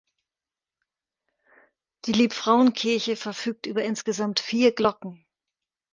Die Liebfrauenkirche verfügt über insgesamt vier Glocken.